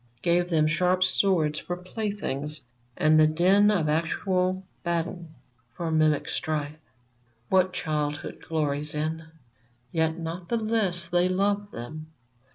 Gave them sharp swords for playthings, and the din Of actual battle for the mimic strife That childhood glories in ! Yet not the less they loved them.